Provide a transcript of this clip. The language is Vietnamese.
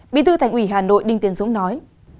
bí thư thành ủy hà nội đinh tiến dũng nói